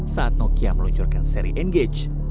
saat nokia meluncurkan seri n gage